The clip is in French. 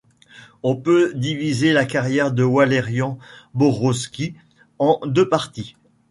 On peut diviser la carrière de Walerian Borowczyk en deux parties.